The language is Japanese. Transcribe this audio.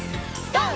ＧＯ！